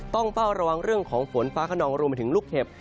ต้องเฝ้าระวังเรื่องของฝนฟ้าขนองรวมไปถึงลูกเห็บ